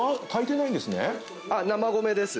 生米です。